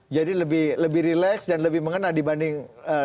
jadi lebih relax dan lebih mengena dibanding